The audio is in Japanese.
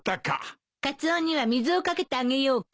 カツオには水を掛けてあげようか。